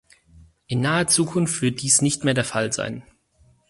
In naher Zukunft wird dies nicht mehr der Fall sein.